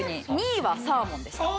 ２位はサーモンでした。